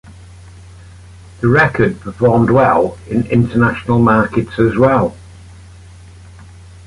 The record performed well in international markets as well.